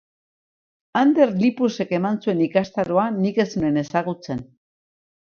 Ander Lipusek eman zuen ikastaroa nik ez nuen ezagutzen.